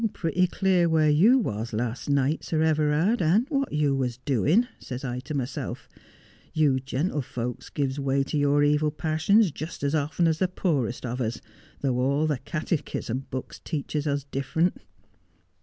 " Pretty clear where you was last night, Sir Everard, and what you was doing," says I to myself; "you gentlefolks gives way to your evil passions just as often as the poorest of us, though all the catechism books teaches us different."'